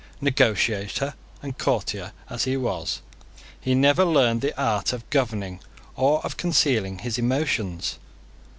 Negotiator and courtier as he was, he never learned the art of governing or of concealing his emotions.